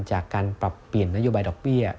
จากการปรับเปลี่ยนนโลกยังไม่ขึ้นดอกเบี้ย